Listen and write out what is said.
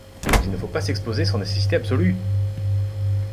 Donc, il ne faut pas s’exposer sans nécessité absolue!